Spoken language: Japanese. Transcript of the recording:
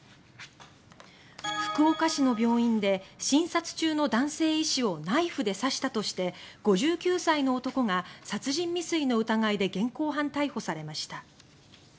福岡市の病院で診察中の男性医師をナイフで刺したとして５９歳の男が殺人未遂の疑いで現行犯逮捕されました。